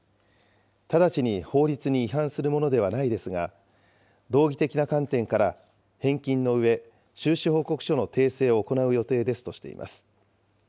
直ちに法律に違反するものではないですが、道義的な観点から返金のうえ、収支報告書の訂正を行う予定ですとしています。